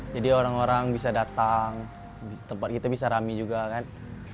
jadi orang orang bisa datang tempat kita bisa ramai juga kan